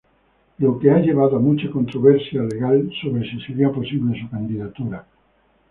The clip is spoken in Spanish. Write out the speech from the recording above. Lo que ha llevado a mucha controversia legal sobre si sería posible su candidatura.